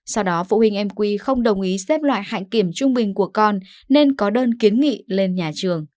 sau đó phụ huynh em quy không đồng ý xếp loại hạnh kiểm trung bình của con nên có đơn kiến nghị lên nhà trường